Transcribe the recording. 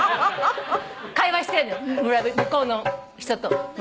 会話してんの向こうの人と。